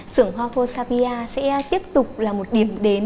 sưởng hoa cô savia sẽ tiếp tục là một điểm đến